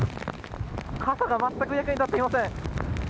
傘が全く役に立っていません。